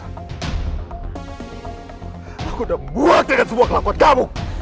aku udah muak dengan semua kelakuan kamu